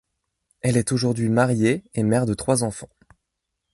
Elle est aujourd'hui mariée et mère de trois enfants.